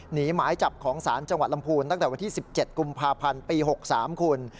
หมายจับของศาลจังหวัดลำพูนตั้งแต่วันที่๑๗กุมภาพันธ์ปี๖๓คุณ